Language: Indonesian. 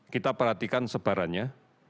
kita perhatikan sebarannya